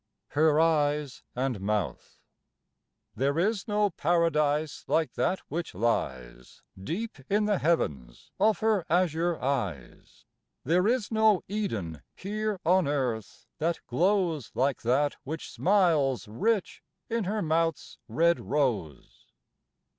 HER EYES AND MOUTH. There is no Paradise like that which lies Deep in the heavens of her azure eyes: There is no Eden here on Earth that glows Like that which smiles rich in her mouth's red rose.